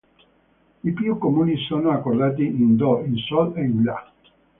I più comuni sono accordati in do, in sol e in la.